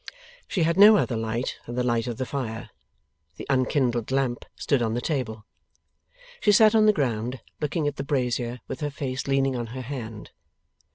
She had no other light than the light of the fire. The unkindled lamp stood on the table. She sat on the ground, looking at the brazier, with her face leaning on her hand.